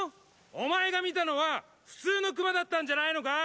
お前が見たのは普通の熊だったんじゃないのか？